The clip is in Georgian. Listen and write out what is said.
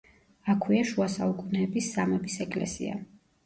აქვეა შუა საუკუნეების სამების ეკლესია.